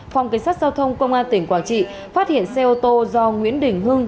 phòng cảnh sát giao thông công an tỉnh quảng trị phát hiện xe ô tô do nguyễn đình hưng